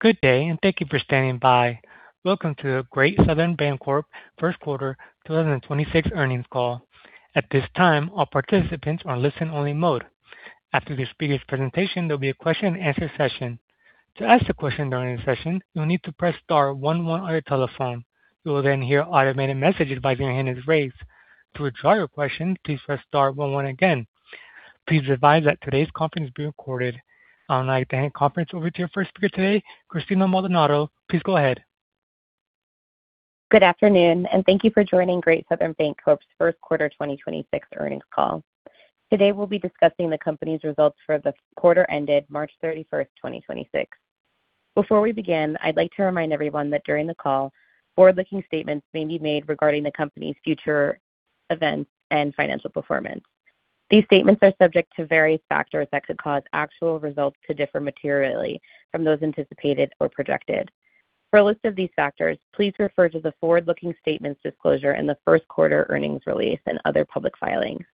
Good day and thank you for standing by. Welcome to the Great Southern Bancorp first quarter 2026 earnings call. At this time, all participants are in listen only mode. After the speaker's presentation, there'll be a question-and-answer session. To ask a question during the session, you'll need to press star one one on your telephone. You will then hear an automated message advising your hand is raised. To withdraw your question, please press star one one again. Please be advised that today's conference is being recorded. I'd like to hand the conference over to your first speaker today, Christina Maldonado. Please go ahead. Good afternoon, and thank you for joining Great Southern Bancorp's first quarter 2026 earnings call. Today, we'll be discussing the company's results for the quarter ended March 31st, 2026. Before we begin, I'd like to remind everyone that during the call, forward-looking statements may be made regarding the company's future events and financial performance. These statements are subject to various factors that could cause actual results to differ materially from those anticipated or projected. For a list of these factors, please refer to the forward-looking statements disclosure in the first quarter earnings release and other public filings.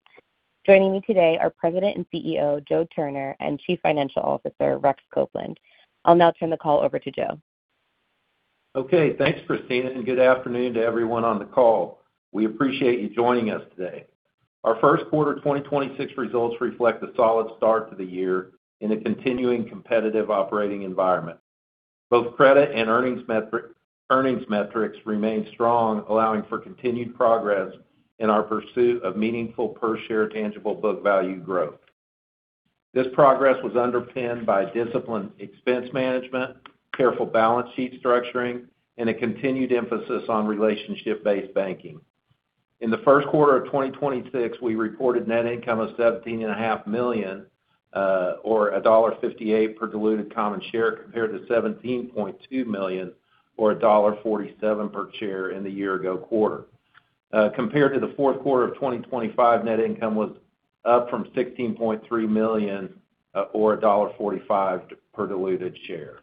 Joining me today are President and CEO, Joe Turner, and Chief Financial Officer, Rex Copeland. I'll now turn the call over to Joe. Okay, thanks, Christina, and good afternoon to everyone on the call. We appreciate you joining us today. Our first quarter 2026 results reflect a solid start to the year in a continuing competitive operating environment. Both credit and earnings metrics remain strong, allowing for continued progress in our pursuit of meaningful per share tangible book value growth. This progress was underpinned by disciplined expense management, careful balance sheet structuring, and a continued emphasis on relationship-based banking. In the first quarter of 2026, we reported net income of $17.5 million, or $1.58 per diluted common share, compared to $17.2 million or $1.47 per share in the year ago quarter. Compared to the fourth quarter of 2025, net income was up from $16.3 million or $1.45 per diluted share.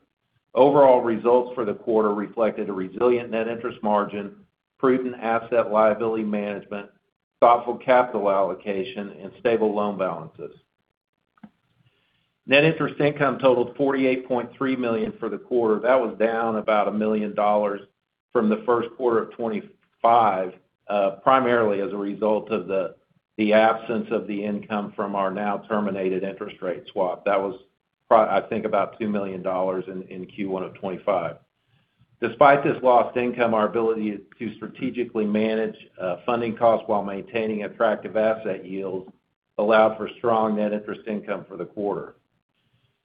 Overall results for the quarter reflected a resilient net interest margin, prudent asset liability management, thoughtful capital allocation, and stable loan balances. Net interest income totaled $48.3 million for the quarter. That was down about $1 million from the first quarter of 2025, primarily as a result of the absence of the income from our now terminated interest rate swap. That was, I think, about $2 million in Q1 of 2025. Despite this lost income, our ability to strategically manage funding costs while maintaining attractive asset yields allowed for strong net interest income for the quarter.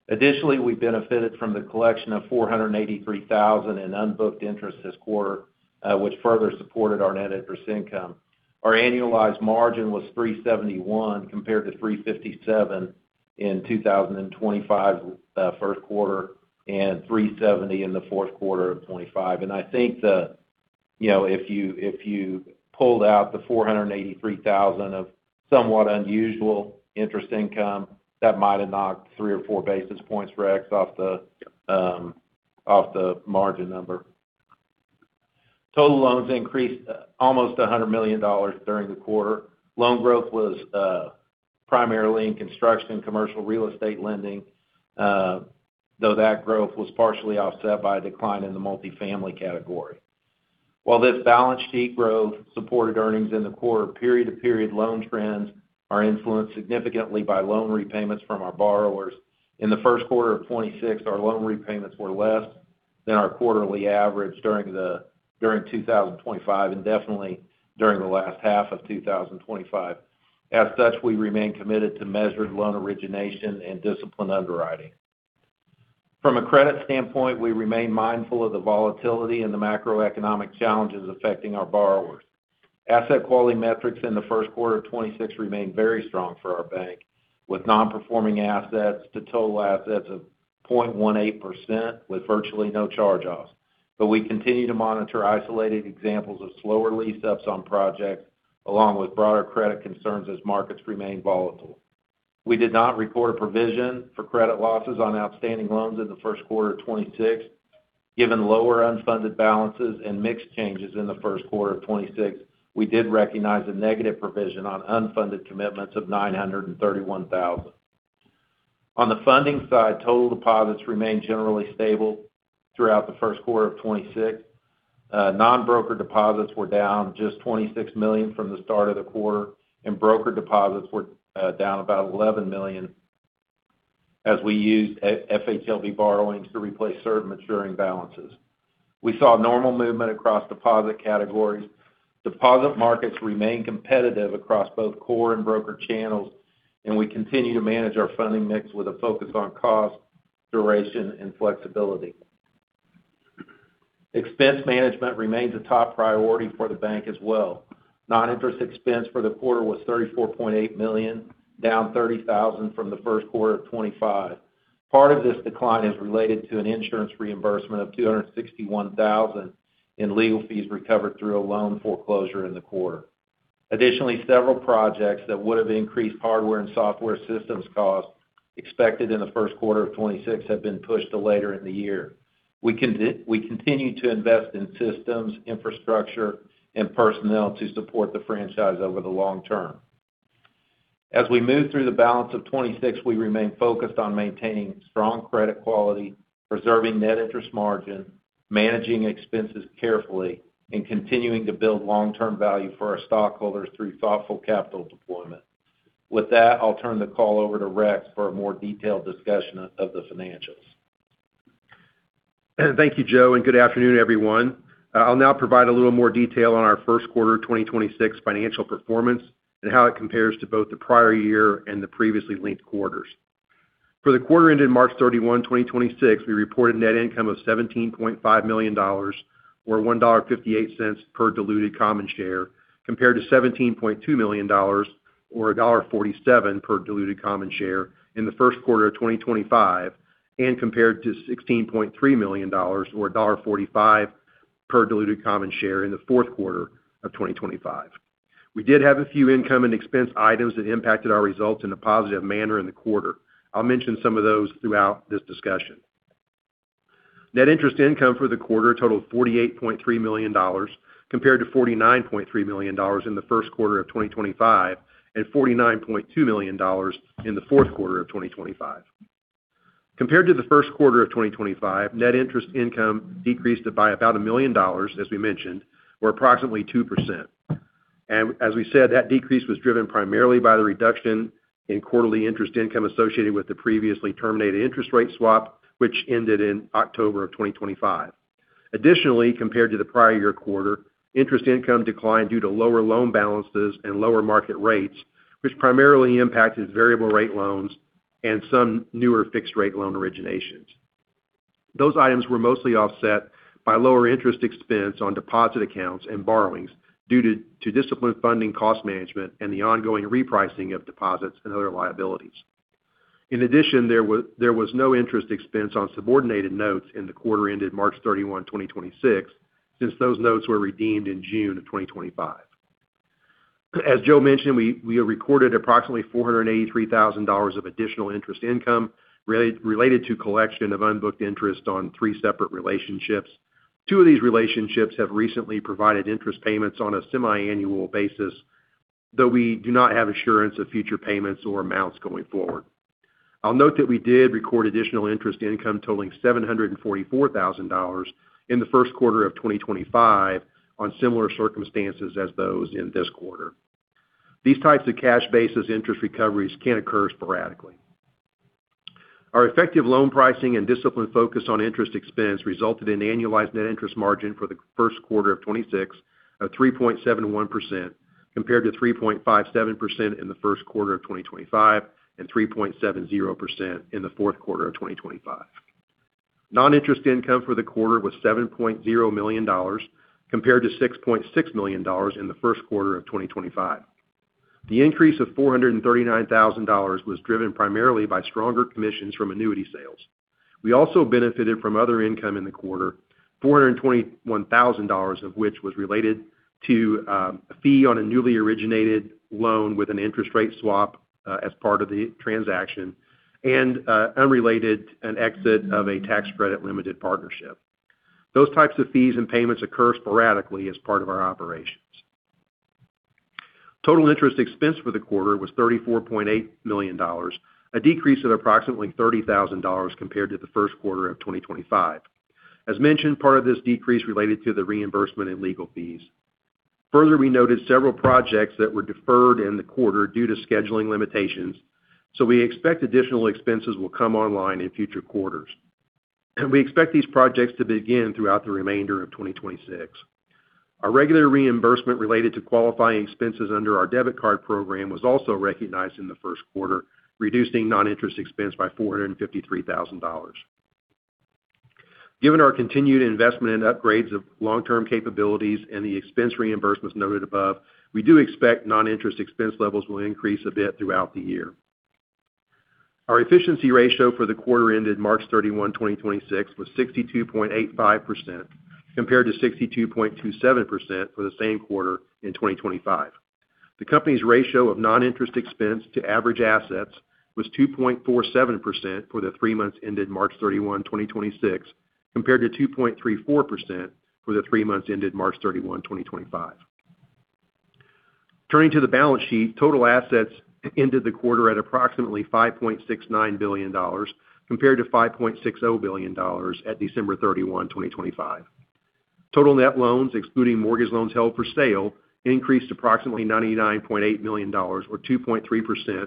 Additionally, we benefited from the collection of $483,000 in unbooked interest this quarter, which further supported our net interest income. Our annualized margin was 3.71% compared to 3.57% in 2025 first quarter and 3.70% in the fourth quarter of 2025. I think, if you pulled out the $483,000 of somewhat unusual interest income, that might have knocked 3 or 4 basis points off the margin number. Total loans increased almost $100 million during the quarter. Loan growth was primarily in construction commercial real estate lending, though that growth was partially offset by a decline in the multi-family category. While this balance sheet growth supported earnings in the quarter, period-to-period loan trends are influenced significantly by loan repayments from our borrowers. In the first quarter of 2026, our loan repayments were less than our quarterly average during 2025, and definitely during the last half of 2025. As such, we remain committed to measured loan origination and disciplined underwriting. From a credit standpoint, we remain mindful of the volatility and the macroeconomic challenges affecting our borrowers. Asset quality metrics in the first quarter of 2026 remain very strong for our bank, with non-performing assets to total assets of 0.18% with virtually no charge-offs. We continue to monitor isolated examples of slower lease-ups on projects, along with broader credit concerns as markets remain volatile. We did not record a provision for credit losses on outstanding loans in the first quarter of 2026. Given lower unfunded balances and mix changes in the first quarter of 2026, we did recognize a negative provision on unfunded commitments of $931,000. On the funding side, total deposits remained generally stable throughout the first quarter of 2026. Non-brokered deposits were down just $26 million from the start of the quarter, and brokered deposits were down about $11 million as we used FHLB borrowings to replace certain maturing balances. We saw normal movement across deposit categories. Deposit markets remain competitive across both core and broker channels, and we continue to manage our funding mix with a focus on cost, duration, and flexibility. Expense management remains a top priority for the bank as well. Non-interest expense for the quarter was $34.8 million, down $30,000 from the first quarter of 2025. Part of this decline is related to an insurance reimbursement of $261,000 in legal fees recovered through a loan foreclosure in the quarter. Additionally, several projects that would have increased hardware and software systems costs expected in the first quarter of 2026 have been pushed to later in the year. We continue to invest in systems, infrastructure, and personnel to support the franchise over the long term. As we move through the balance of 2026, we remain focused on maintaining strong credit quality, preserving net interest margin, managing expenses carefully, and continuing to build long-term value for our stockholders through thoughtful capital deployment. With that, I'll turn the call over to Rex for a more detailed discussion of the financials. Thank you, Joe, and good afternoon, everyone. I'll now provide a little more detail on our first quarter 2026 financial performance, and how it compares to both the prior year and the previously linked quarters. For the quarter ended March 31, 2026, we reported net income of $17.5 million, or $1.58 per diluted common share, compared to $17.2 million, or $1.47 per diluted common share in the first quarter of 2025, and compared to $16.3 million, or $1.45 per diluted common share in the fourth quarter of 2025. We did have a few income and expense items that impacted our results in a positive manner in the quarter. I'll mention some of those throughout this discussion. Net interest income for the quarter totaled $48.3 million, compared to $49.3 million in the first quarter of 2025, and $49.2 million in the fourth quarter of 2025. Compared to the first quarter of 2025, net interest income decreased by about $1 million, as we mentioned, or approximately 2%. As we said, that decrease was driven primarily by the reduction in quarterly interest income associated with the previously terminated interest rate swap, which ended in October of 2025. Additionally, compared to the prior year quarter, interest income declined due to lower loan balances and lower market rates, which primarily impacted variable rate loans and some newer fixed rate loan originations. Those items were mostly offset by lower interest expense on deposit accounts and borrowings due to disciplined funding cost management and the ongoing repricing of deposits and other liabilities. In addition, there was no interest expense on subordinated notes in the quarter ended March 31, 2026, since those notes were redeemed in June of 2025. As Joe mentioned, we have recorded approximately $483,000 of additional interest income related to collection of unbooked interest on three separate relationships. Two of these relationships have recently provided interest payments on a semiannual basis, though we do not have assurance of future payments or amounts going forward. I'll note that we did record additional interest income totaling $744,000 in the first quarter of 2025 on similar circumstances as those in this quarter. These types of cash basis interest recoveries can occur sporadically. Our effective loan pricing and disciplined focus on interest expense resulted in annualized net interest margin for the first quarter of 2026 of 3.71%, compared to 3.57% in the first quarter of 2025, and 3.70% in the fourth quarter of 2025. Non-interest income for the quarter was $7.0 million, compared to $6.6 million in the first quarter of 2025. The increase of $439,000 was driven primarily by stronger commissions from annuity sales. We also benefited from other income in the quarter, $421,000 of which was related to a fee on a newly originated loan with an interest rate swap as part of the transaction, and unrelated, an exit of a tax credit limited partnership. Those types of fees and payments occur sporadically as part of our operations. Total interest expense for the quarter was $34.8 million, a decrease of approximately $30,000 compared to the first quarter of 2025. As mentioned, part of this decrease related to the reimbursement in legal fees. Further, we noted several projects that were deferred in the quarter due to scheduling limitations, so we expect additional expenses will come online in future quarters. We expect these projects to begin throughout the remainder of 2026. Our regular reimbursement related to qualifying expenses under our debit card program was also recognized in the first quarter, reducing non-interest expense by $453,000. Given our continued investment and upgrades of long-term capabilities and the expense reimbursements noted above, we do expect non-interest expense levels will increase a bit throughout the year. Our efficiency ratio for the quarter ended March 31, 2026, was 62.85%, compared to 62.27% for the same quarter in 2025. The company's ratio of non-interest expense to average assets was 2.47% for the three months ended March 31, 2026, compared to 2.34% for the three months ended March 31, 2025. Turning to the balance sheet, total assets ended the quarter at approximately $5.69 billion, compared to $5.60 billion at December 31, 2025. Total net loans, excluding mortgage loans held for sale, increased approximately $99.8 million or 2.3%,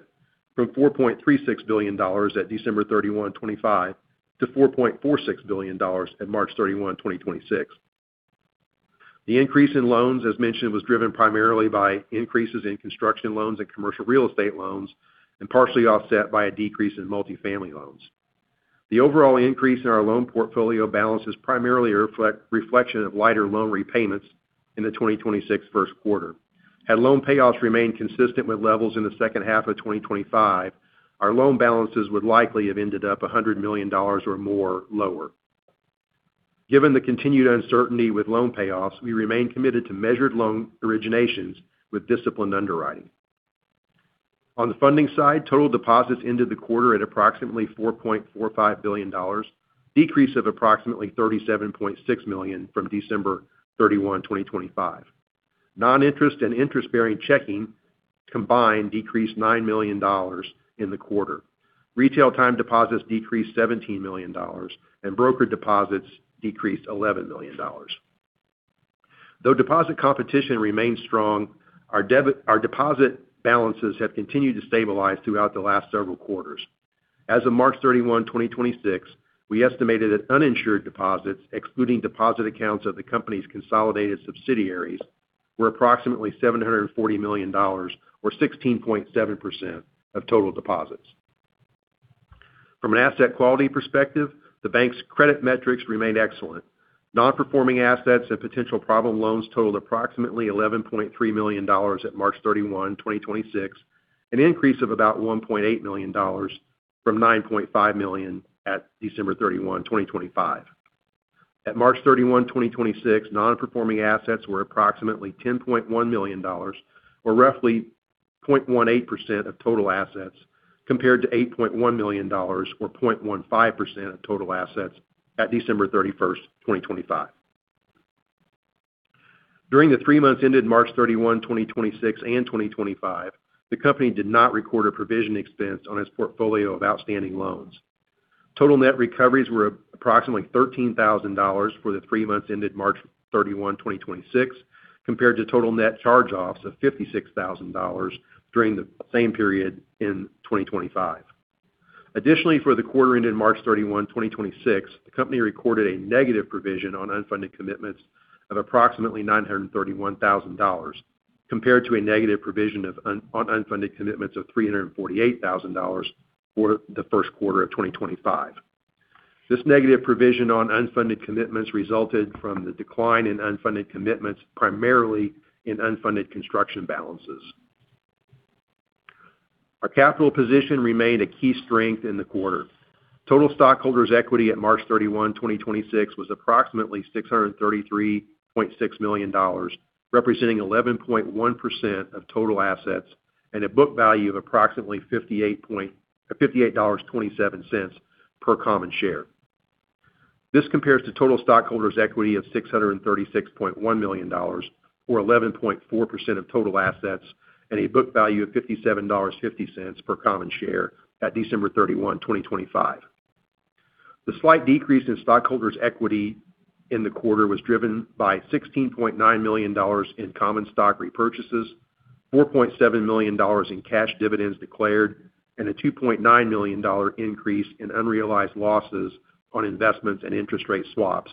from $4.36 billion at December 31, 2025, to $4.46 billion at March 31, 2026. The increase in loans, as mentioned, was driven primarily by increases in construction loans and commercial real estate loans, and partially offset by a decrease in multi-family loans. The overall increase in our loan portfolio balance is primarily a reflection of lighter loan repayments in the 2026 first quarter. Had loan payoffs remained consistent with levels in the second half of 2025, our loan balances would likely have ended up $100 million or more lower. Given the continued uncertainty with loan payoffs, we remain committed to measured loan originations with disciplined underwriting. On the funding side, total deposits ended the quarter at approximately $4.45 billion, decrease of approximately $37.6 million from December 31, 2025. Non-interest and interest-bearing checking combined decreased $9 million in the quarter. Retail time deposits decreased $17 million and brokered deposits decreased $11 million. Though deposit competition remains strong, our deposit balances have continued to stabilize throughout the last several quarters. As of March 31, 2026, we estimated that uninsured deposits, excluding deposit accounts of the company's consolidated subsidiaries, were approximately $740 million or 16.7% of total deposits. From an asset quality perspective, the bank's credit metrics remained excellent. Non-performing assets and potential problem loans totaled approximately $11.3 million at March 31, 2026, an increase of about $1.8 million from $9.5 million at December 31, 2025. At March 31, 2026, non-performing assets were approximately $10.1 million or roughly 0.18% of total assets, compared to $8.1 million or 0.15% of total assets at December 31st, 2025. During the three months ended March 31, 2026 and 2025, the company did not record a provision expense on its portfolio of outstanding loans. Total net recoveries were approximately $13,000 for the three months ended March 31, 2026, compared to total net charge-offs of $56,000 during the same period in 2025. Additionally, for the quarter ended March 31, 2026, the company recorded a negative provision on unfunded commitments of approximately $931,000, compared to a negative provision on unfunded commitments of $348,000 for the first quarter of 2025. This negative provision on unfunded commitments resulted from the decline in unfunded commitments, primarily in unfunded construction balances. Our capital position remained a key strength in the quarter. Total stockholders' equity at March 31, 2026, was approximately $633.6 million, representing 11.1% of total assets and a book value of approximately $58.27 per common share. This compares to total stockholders' equity of $636.1 million or 11.4% of total assets and a book value of $57.50 per common share at December 31, 2025. The slight decrease in stockholders' equity in the quarter was driven by $16.9 million in common stock repurchases, $4.7 million in cash dividends declared, and a $2.9 million increase in unrealized losses on investments and interest rate swaps,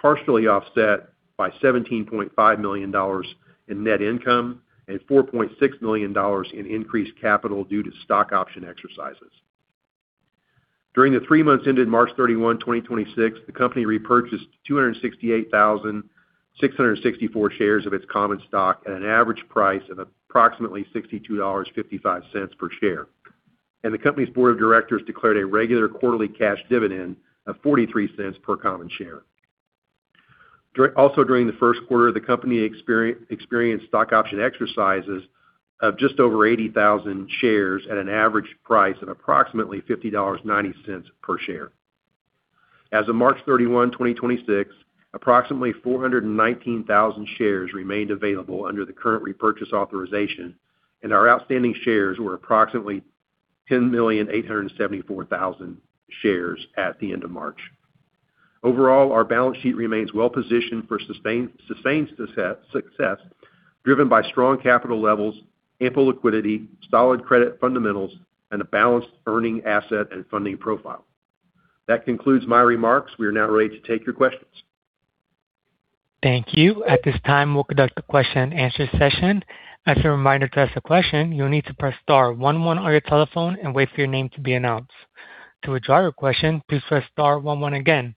partially offset by $17.5 million in net income and $4.6 million in increased capital due to stock option exercises. During the three months ended March 31, 2026, the company repurchased 268,664 shares of its common stock at an average price of approximately $62.55 per share, and the company's Board of Directors declared a regular quarterly cash dividend of $0.43 per common share. Also during the first quarter, the company experienced stock option exercises of just over 80,000 shares at an average price of approximately $50.90 per share. As of March 31, 2026, approximately 419,000 shares remained available under the current repurchase authorization, and our outstanding shares were approximately 10,874,000 shares at the end of March. Overall, our balance sheet remains well-positioned for sustained success, driven by strong capital levels, ample liquidity, solid credit fundamentals, and a balanced earning asset and funding profile. That concludes my remarks. We are now ready to take your questions. Thank you. At this time, we'll conduct a question-and-answer session. As a reminder, to ask a question, you'll need to press star one one on your telephone and wait for your name to be announced. To withdraw your question, please press star one one again.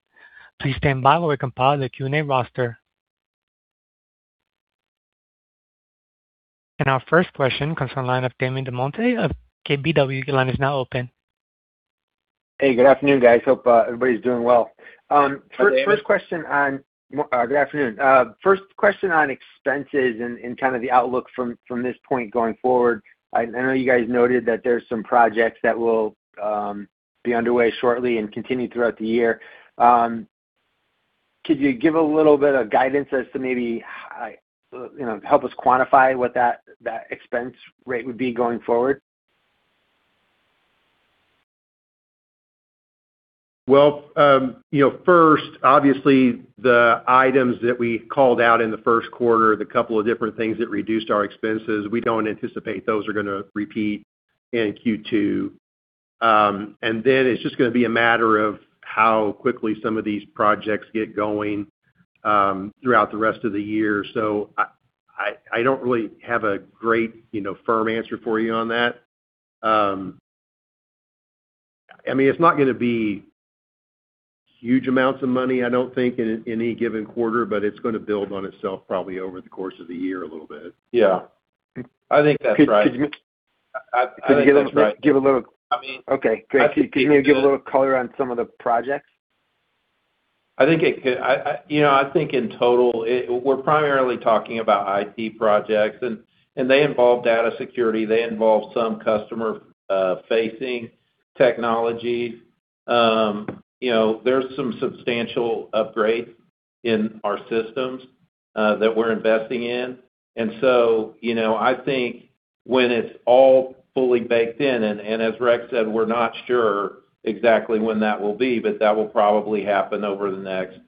Please stand by while we compile the Q&A roster. Our first question comes from the line of Damon DelMonte of KBW. Your line is now open. Hey, good afternoon, guys. Hope everybody's doing well. Hi, Damon. Good afternoon. First question on expenses and kind of the outlook from this point going forward. I know you guys noted that there's some projects that will be underway shortly and continue throughout the year. Could you give a little bit of guidance as to maybe help us quantify what that expense rate would be going forward? Well, first, obviously, the items that we called out in the first quarter, the couple of different things that reduced our expenses, we don't anticipate those are going to repeat in Q2. It's just going to be a matter of how quickly some of these projects get going throughout the rest of the year. I don't really have a great firm answer for you on that. It's not going to be huge amounts of money, I don't think, in any given quarter, but it's going to build on itself probably over the course of the year a little bit. Yeah, I think that's right. Could you give a little. I mean. Okay, great. Could you maybe give a little color on some of the projects? I think in total, we're primarily talking about IT projects, and they involve data security, they involve some customer-facing technology. There's some substantial upgrades in our systems that we're investing in. I think when it's all fully baked in, and as Rex said, we're not sure exactly when that will be, but that will probably happen over the next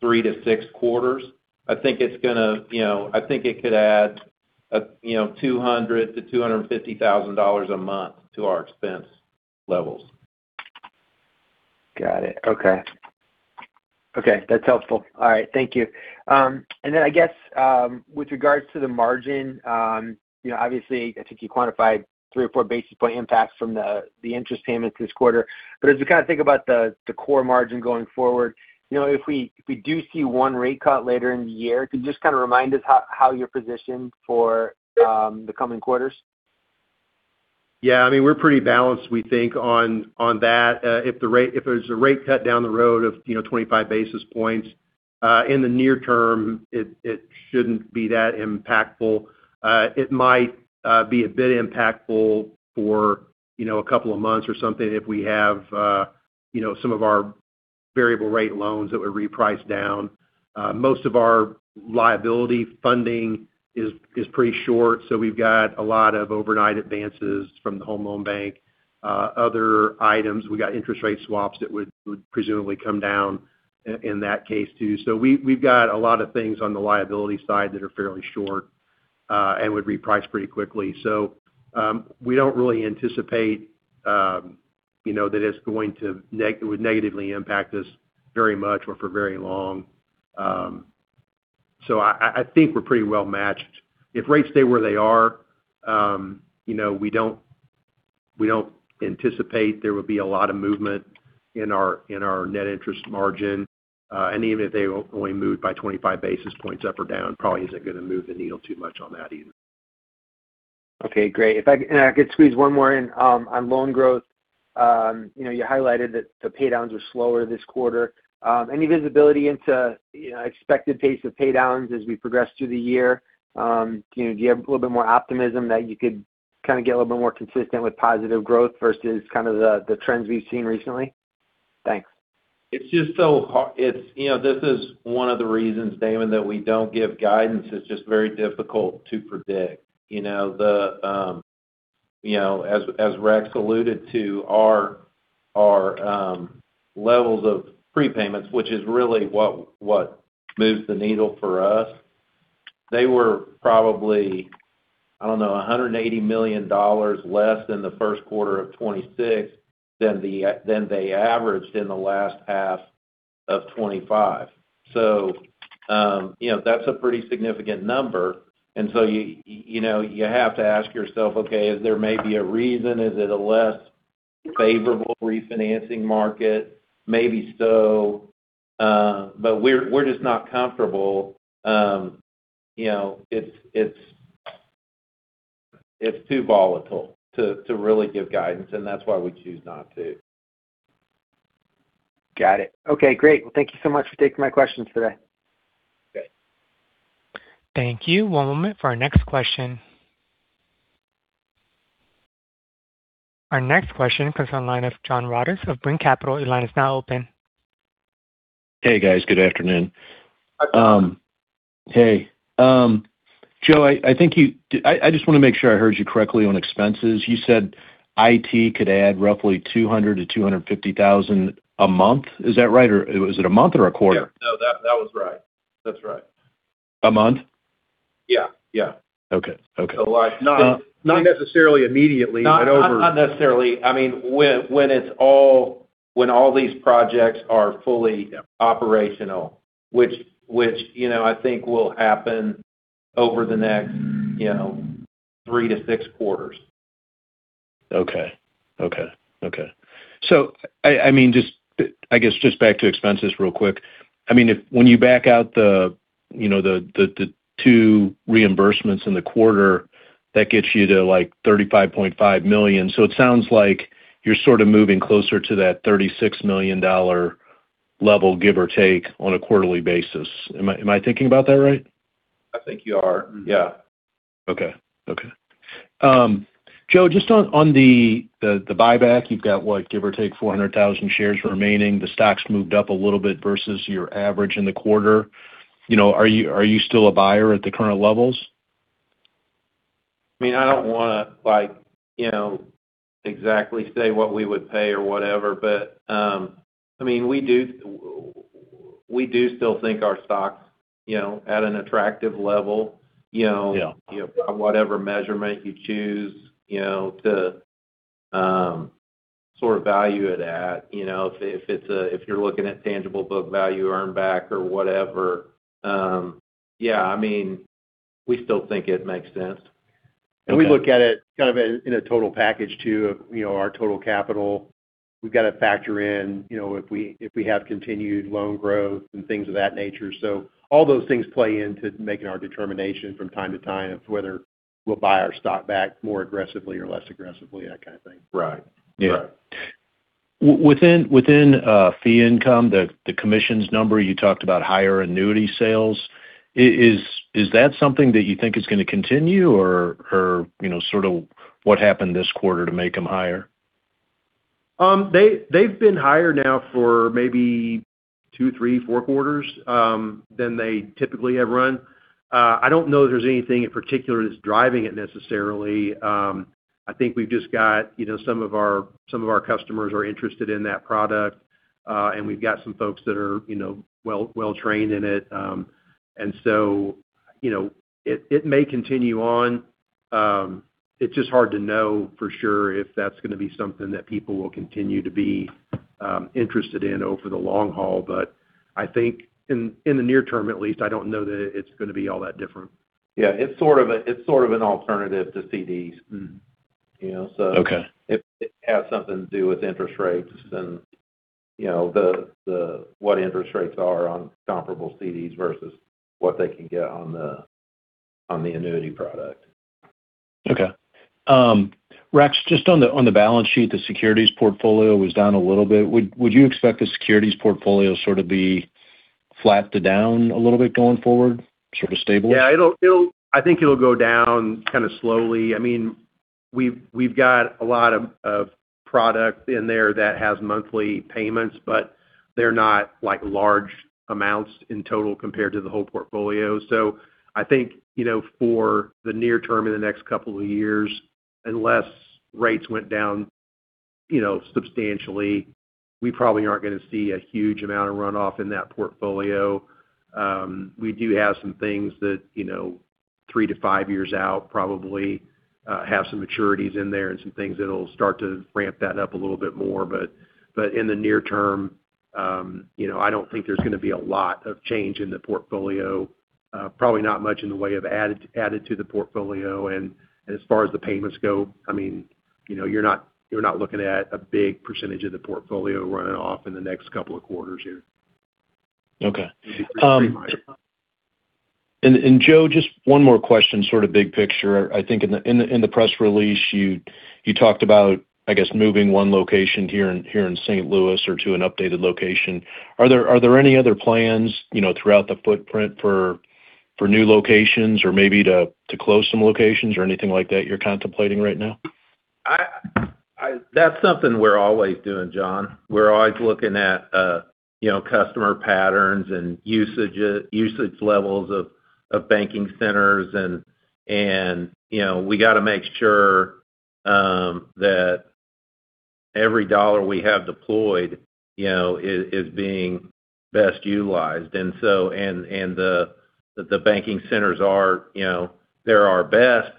three to six quarters. I think it could add $200,000-$250,000 a month to our expense levels. Got it. Okay. That's helpful. All right. Thank you. I guess, with regards to the margin, obviously, I think you quantified 3 or 4 basis point-impacts from the interest payments this quarter. As we kind of think about the core margin going forward, if we do see one rate cut later in the year, could you just kind of remind us how you're positioned for the coming quarters? Yeah. We're pretty balanced, we think, on that. If there's a rate cut down the road of 25 basis points, in the near term, it shouldn't be that impactful. It might be a bit impactful for a couple of months or something if we have some of our variable rate loans that would reprice down. Most of our liability funding is pretty short, so we've got a lot of overnight advances from the Home Loan Bank. Other items, we got interest rate swaps that would presumably come down, in that case, too. We've got a lot of things on the liability side that are fairly short and would reprice pretty quickly. We don't really anticipate that it would negatively impact us very much or for very long. I think we're pretty well-matched. If rates stay where they are, we don't anticipate there will be a lot of movement in our net interest margin. Even if they only moved by 25 basis points up or down, probably isn't going to move the needle too much on that either. Okay, great. If I could squeeze one more in on loan growth. You highlighted that the paydowns were slower this quarter. Any visibility into expected pace of paydowns as we progress through the year? Do you have a little bit more optimism that you could kind of get a little bit more consistent with positive growth versus the trends we've seen recently? Thanks. This is one of the reasons, Damon, that we don't give guidance. It's just very difficult to predict. As Rex alluded to, our levels of prepayments, which is really what moves the needle for us, they were probably, I don't know, $180 million less than the first quarter of 2026 than they averaged in the last half of 2025. That's a pretty significant number. You have to ask yourself, okay, is there may be a reason, is it a less favorable refinancing market? Maybe so. We're just not comfortable. It's too volatile to really give guidance, and that's why we choose not to. Got it. Okay, great. Well, thank you so much for taking my questions today. Okay. Thank you. One moment for our next question. Our next question comes on the line of John Rodis of Brean Capital. Your line is now open. Hey, guys. Good afternoon. Hi. Hey, Joe, I just want to make sure I heard you correctly on expenses. You said IT could add roughly $200,000-$250,000 a month. Is that right? Or is it a month or a quarter? Yeah. No, that was right. That's right. A month? Yeah. Okay. Not necessarily immediately, but over. Not necessarily. When all these projects are fully operational, which I think will happen over the next three to six quarters. Okay. I guess just back to expenses real quick. When you back out the two reimbursements in the quarter, that gets you to like $35.5 million. It sounds like you're sort of moving closer to that $36 million level, give or take, on a quarterly basis. Am I thinking about that right? I think you are. Yeah. Okay. Joe, just on the buyback, you've got, what, give or take 400,000 shares remaining. The stock's moved up a little bit versus your average in the quarter. Are you still a buyer at the current levels? I don't want to like exactly say what we would pay or whatever, but we do still think our stock's at an attractive level. Yeah. By whatever measurement you choose to sort of value it at. If you're looking at tangible book value earn back or whatever, yeah, we still think it makes sense. We look at it kind of in a total package, too, of our total capital. We've got to factor in if we have continued loan growth and things of that nature. All those things play into making our determination from time to time of whether we'll buy our stock back more aggressively or less aggressively, that kind of thing. Right. Yeah. Right. Within fee income, the commissions number, you talked about higher annuity sales. Is that something that you think is going to continue, or sort of what happened this quarter to make them higher? They've been higher now for maybe two, three, four quarters than they typically have run. I don't know that there's anything in particular that's driving it necessarily. I think we've just got some of our customers are interested in that product, and we've got some folks that are well-trained in it. It may continue on. It's just hard to know for sure if that's going to be something that people will continue to be interested in over the long haul. I think in the near term, at least, I don't know that it's going to be all that different. Yeah, it's sort of an alternative to CDs. Mm-hmm. So. Okay. It has something to do with interest rates and what interest rates are on comparable CDs versus what they can get on the annuity product. Okay. Rex, just on the balance sheet, the securities portfolio was down a little bit. Would you expect the securities portfolio sort of be flat to down a little bit going forward, sort of stable? Yeah, I think it'll go down kind of slowly. We've got a lot of product in there that has monthly payments, but they're not like large amounts in total compared to the whole portfolio. I think, for the near term in the next couple of years, unless rates went down substantially, we probably aren't going to see a huge amount of runoff in that portfolio. We do have some things that, three to five years out, probably have some maturities in there and some things that'll start to ramp that up a little bit more. In the near term, I don't think there's going to be a lot of change in the portfolio, probably not much in the way of added to the portfolio. As far as the payments go, you're not looking at a big percentage of the portfolio running off in the next couple of quarters here. Okay. It'd be pretty minor Joe, just one more question, sort of big picture. I think in the press release you talked about, I guess, moving one location here in St. Louis or to an updated location. Are there any other plans throughout the footprint for new locations or maybe to close some locations or anything like that you're contemplating right now? That's something we're always doing, John. We're always looking at customer patterns and usage levels of banking centers and we got to make sure that every dollar we have deployed is being best utilized. The banking centers are our best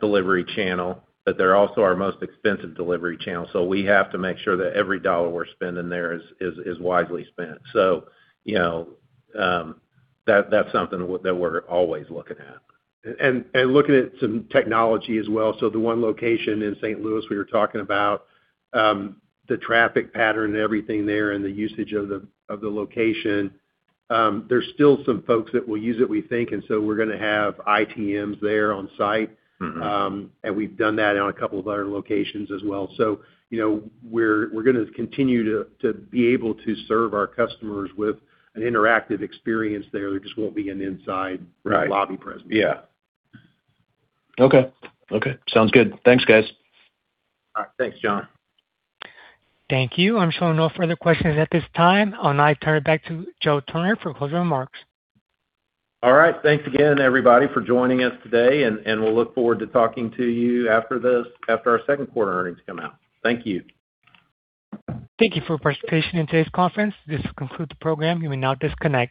delivery channel, but they're also our most expensive delivery channel, so we have to make sure that every dollar we're spending there is wisely spent. That's something that we're always looking at. Looking at some technology as well. The one location in St. Louis we were talking about, the traffic pattern and everything there and the usage of the location. There's still some folks that will use it, we think, and so we're going to have ITMs there on site. Mm-hmm. We've done that in a couple of other locations as well. We're going to continue to be able to serve our customers with an interactive experience there. There just won't be an inside. Right. Lobby presence. Yeah. Okay. Sounds good. Thanks, guys. All right. Thanks, John. Thank you. I'm showing no further questions at this time. I'll now turn it back to Joe Turner for closing remarks. All right. Thanks again, everybody, for joining us today, and we'll look forward to talking to you after our second quarter earnings come out. Thank you. Thank you for participation in today's conference. This concludes the program. You may now disconnect.